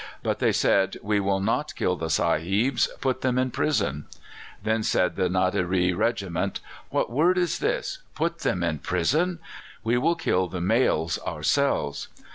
But they said, 'We will not kill the sahibs; put them in prison.' Then said the Nadiree Regiment: 'What word is this put them in prison? We will kill the males ourselves.